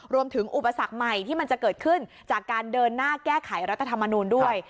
อุปสรรคใหม่ที่มันจะเกิดขึ้นจากการเดินหน้าแก้ไขรัฐธรรมนูลด้วย